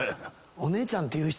お姉ちゃんっていう人？